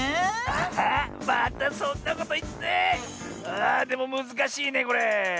ああでもむずかしいねこれ。